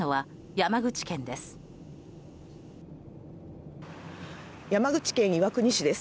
山口県岩国市です。